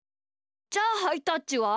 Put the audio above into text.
じゃあハイタッチは？